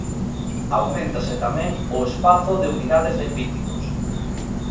Auméntase tamén o espazo de unidades de críticos.